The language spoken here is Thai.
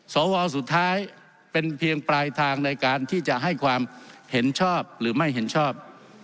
สวสุดท้ายเป็นเพียงปลายทางในการที่จะให้ความเห็นชอบหรือไม่เห็นชอบ